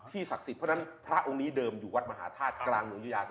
ศักดิ์สิทธิ์เพราะฉะนั้นพระองค์นี้เดิมอยู่วัดมหาธาตุกลางเมืองยุยา